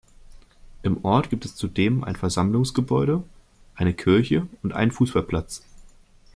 Im Ort gibt es zudem ein Versammlungsgebäude, eine Kirche und einen Fußballplatz.